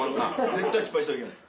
絶対失敗してはいけない。